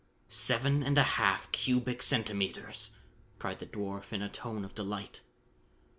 "Seven and a half cubic centimeters!" cried the dwarf in a tone of delight.